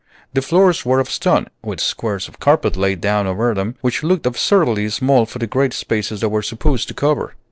The floors were of stone, with squares of carpet laid down over them, which looked absurdly small for the great spaces they were supposed to cover.